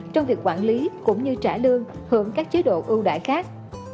trong việc quản lý cũng như trả lương hưởng các chế độ ưu đại khác